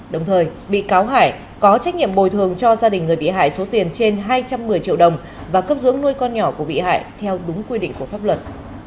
đồng thời bị cáo hải có trách nhiệm bồi thường cho gia đình người bị hại số tiền trên hai trăm một mươi triệu đồng và cấp dưỡng nuôi con nhỏ của bị hại theo đúng quy định của pháp luật